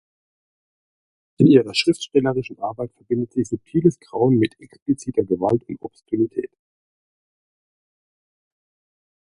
In ihrer schriftstellerischen Arbeit verbindet sie subtiles Grauen mit expliziter Gewalt und Obszönität.